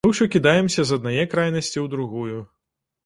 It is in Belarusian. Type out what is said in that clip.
Мы ўсё кідаемся з аднае крайнасці ў другую.